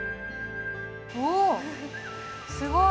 おっすごい。